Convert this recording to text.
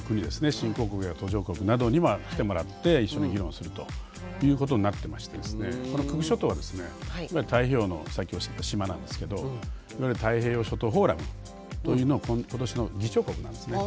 新興国や途上国などにも来てもらって一緒に議論するということになってましてこのクック諸島はですね太平洋のさっきおっしゃった島なんですけどいわゆる太平洋諸島フォーラムというのを今年の議長国なんですね。